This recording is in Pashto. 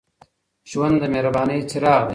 ژوند د مهربانۍ څراغ دئ